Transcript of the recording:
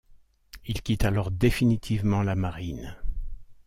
Il quitte alors définitivement la Marine.